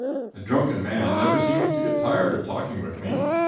A drunken man never seems to get tired of talking with me.